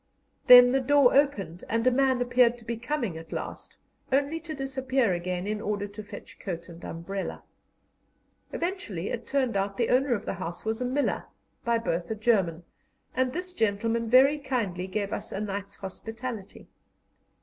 Then the door opened, and a man appeared to be coming at last, only to disappear again in order to fetch coat and umbrella. Eventually it turned out the owner of the house was a miller, by birth a German, and this gentleman very kindly gave us a night's hospitality.